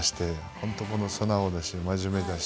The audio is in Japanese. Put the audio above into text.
本当に素直だし、真面目だし。